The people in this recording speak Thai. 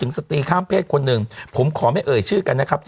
สตรีข้ามเพศคนหนึ่งผมขอไม่เอ่ยชื่อกันนะครับ